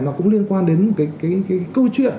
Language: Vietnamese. nó cũng liên quan đến cái câu chuyện